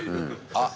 あっ。